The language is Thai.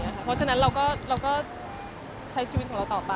เพราะฉะนั้นเราก็ใช้ชีวิตของเราต่อไป